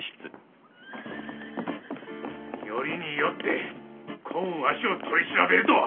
よりによってこんわしを取り調べるとは！